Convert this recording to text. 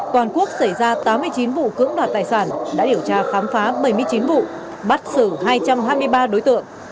toàn quốc xảy ra tám mươi chín vụ cưỡng đoạt tài sản đã điều tra khám phá bảy mươi chín vụ bắt xử hai trăm hai mươi ba đối tượng